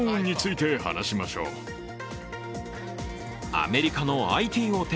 アメリカのＩＴ大手